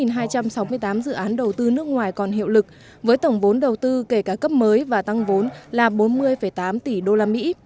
tổng vốn đầu tư nước ngoài còn hiệu lực với tổng vốn đầu tư kể cả cấp mới và tăng vốn là bốn mươi tám tỷ usd